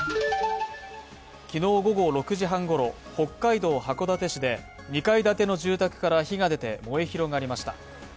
昨日午後６時半ごろ、北海道函館市で、２階建ての住宅から火が出て、燃え広がりました。